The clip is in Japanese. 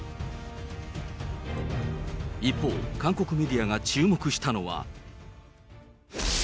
一方、韓国メディアが注目したのは。